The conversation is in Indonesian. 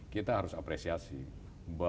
kita harus apresiasi bahwa ekonomi indonesia dikelola